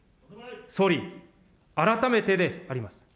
総理、改めてであります。